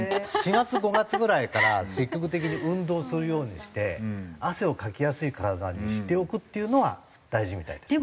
４月５月ぐらいから積極的に運動するようにして汗をかきやすい体にしておくっていうのは大事みたいです。